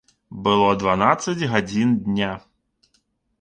Было дванаццаць гадзін дня.